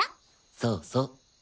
そうそう。